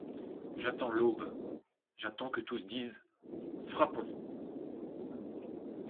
J'attends l'aube, j'attends que tous disent : -Frappons !